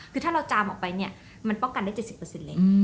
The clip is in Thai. คือถ้าเราจามออกไปเนี่ยมันป้องกันได้เจ็ดสิบเปอร์สินเลยอืม